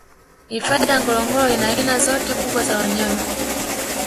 hifadhi ya ngorongoro ina aina zote kubwa za wanyama